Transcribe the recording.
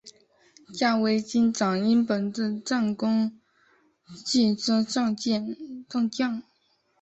夏威军长因本次战功晋升上将。